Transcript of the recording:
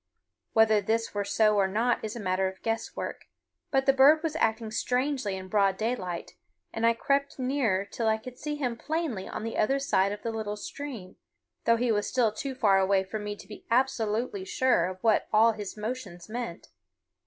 Whether this were so or not is a matter of guesswork; but the bird was acting strangely in broad daylight, and I crept nearer till I could see him plainly on the other side of the little stream, though he was still too far away for me to be absolutely sure of what all his motions meant.